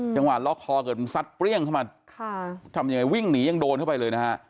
จังหวะล็อกคอเกิดมันซัดเปรี้ยงเข้ามาค่ะทำยังไงวิ่งหนียังโดนเข้าไปเลยนะฮะ